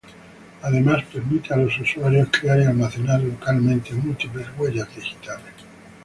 Además permite a los usuarios crear y almacenar localmente múltiples huellas digitales.